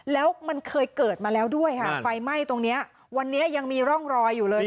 แล้วมันเคยเกิดมาแล้วด้วยค่ะไฟไหม้ตรงเนี้ยวันนี้ยังมีร่องรอยอยู่เลย